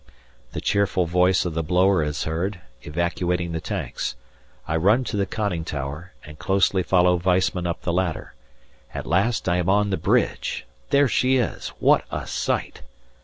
The cheerful voice of the blower is heard, evacuating the tanks; I run to the conning tower and closely follow Weissman up the ladder. At last I am on the bridge. There she is! What a sight!